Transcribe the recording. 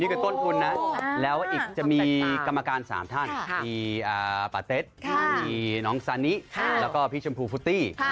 กับต้นทุนนะแล้วอีกจะมีกรรมการ๓ท่านมีปาเต็ดมีน้องซานิแล้วก็พี่ชมพูฟุตตี้